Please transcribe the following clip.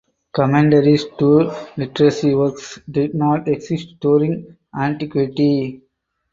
Commentaries to literary works did not exist during antiquity.